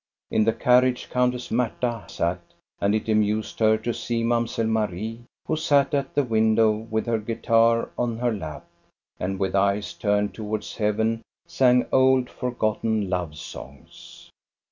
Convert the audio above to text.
In the carriage Countess Marta sat, and it amused her to see Mamselle Marie, who sat at the window with her guitar on her lap, and with eyes turned towards heaven sang old forgotten love songs.